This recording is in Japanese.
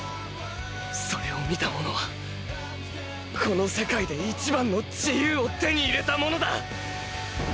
それを見た者はこの世界で一番の自由を手に入れた者だ